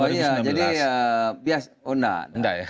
oh iya jadi biasanya oh enggak